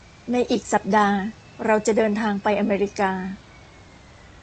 ในอีกสัปดาห์เราจะเดินทางไปอเมริกา